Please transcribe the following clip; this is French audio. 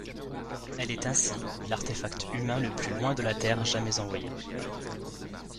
Elle est ainsi l'artefact humain le plus loin de la Terre jamais envoyé.